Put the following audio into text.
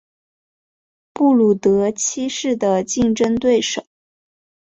布鲁德七世的竞争对手。